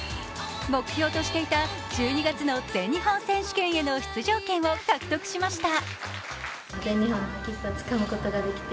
目標としていた１２月の全日本選手権への出場権を獲得しました。